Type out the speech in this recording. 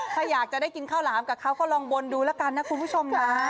ถ้าอยากจะได้กินข้าวหลามกับเขาก็ลองบนดูแล้วกันนะคุณผู้ชมนะ